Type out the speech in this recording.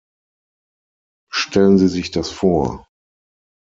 Stellen Sie sich das vor!